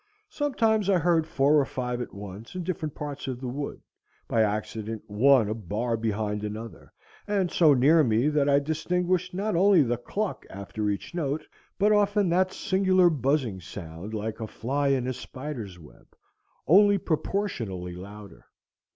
Sometimes I heard four or five at once in different parts of the wood, by accident one a bar behind another, and so near me that I distinguished not only the cluck after each note, but often that singular buzzing sound like a fly in a spider's web, only proportionally louder.